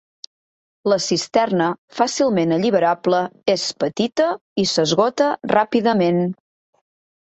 La cisterna fàcilment alliberable és petita i s'esgota ràpidament.